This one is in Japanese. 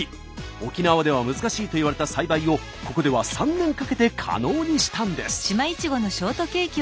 沖縄では難しいといわれた栽培をここでは３年かけて可能にしたんです。